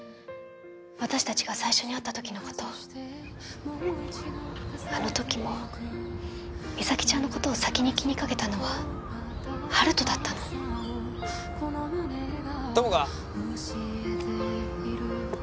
私達が最初に会った時のことあの時も実咲ちゃんのことを先に気にかけたのは温人だったの友果